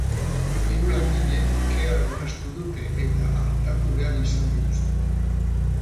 Hiru langilek kea arnastu dute eta artatu behar izan dituzte.